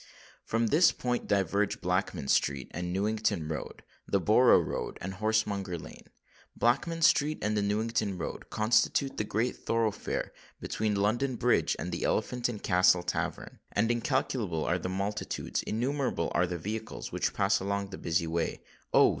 From this point diverge Blackman Street, the Newington Road, the Borough Road, and Horsemonger Lane. Blackman Street and the Newington Road constitute the great thoroughfare between London Bridge and the Elephant and Castle tavern; and incalculable are the multitudes—innumerable are the vehicles, which pass along the busy way,—oh!